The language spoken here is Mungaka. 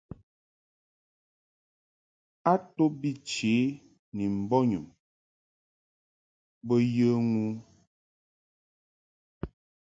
A to bi chě ni mbɔnyum bo yə ŋu.